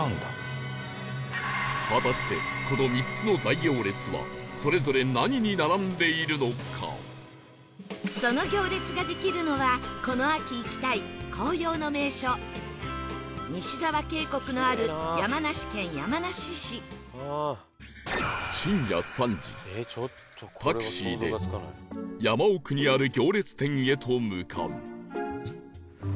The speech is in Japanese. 果たしてこの３つの大行列はその行列ができるのはこの秋行きたい紅葉の名所西沢渓谷のある山梨県山梨市深夜３時タクシーで山奥にある行列店へと向かう